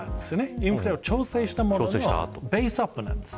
インフレを調整したもののベースアップです。